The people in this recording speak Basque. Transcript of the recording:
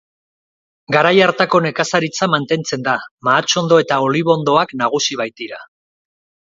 Garai hartako nekazaritza mantentzen da, mahatsondo eta olibondoak nagusi baitira.